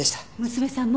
娘さん